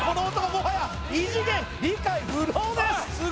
もはや異次元理解不能です